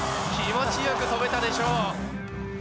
気持ちよく飛べたでしょう。